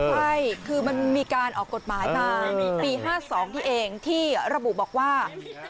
ใช่คือมันมีการออกกฎหมายมาปี๕๒นี่เองที่ระบุบอกว่า